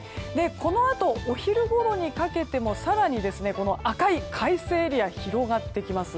このあと、お昼ごろにかけても更に、赤い快晴エリアが広がってきます。